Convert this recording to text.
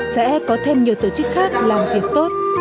việc tốt sẽ có thêm nhiều tổ chức khác làm việc tốt